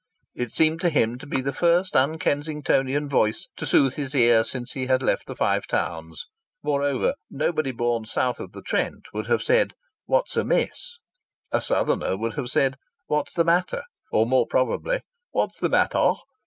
It seemed to him to be the first un Kensingtonian voice to soothe his ear since he had left the Five Towns. Moreover, nobody born south of the Trent would have said, "What's amiss?" A southerner would have said, "What's the matter?" Or, more probably, "What's the mattah?"